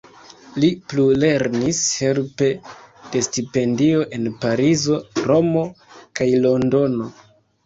Li plulernis helpe de stipendio en Parizo, Romo kaj Londono.